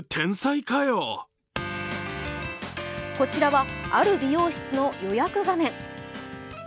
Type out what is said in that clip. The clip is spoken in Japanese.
こちらは、ある美容室の予約画面